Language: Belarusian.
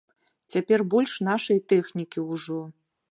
Цяпер больш нашай тэхнікі ўжо.